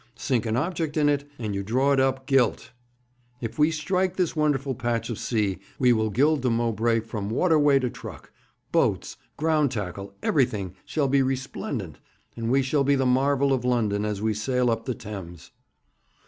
Sink an object in it, and you draw it up gilt. If we strike this wonderful patch of sea, we will gild the Mowbray from waterway to truck; boats, ground tackle everything shall be resplendent, and we shall be the marvel of London as we sail up the Thames.'